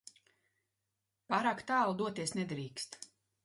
Pārāk tālu doties nedrīkst.